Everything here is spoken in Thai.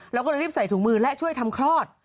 เราก็เลยรีบใส่ถุงมือและช่วยทำคลอด